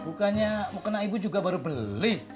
bukannya mukena ibu juga baru beli